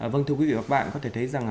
vâng thưa quý vị và các bạn có thể thấy rằng